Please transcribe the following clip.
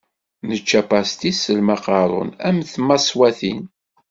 Nečča pastis s lmaqarun am tmaṣwatin.